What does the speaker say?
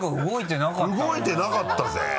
動いてなかったぜ。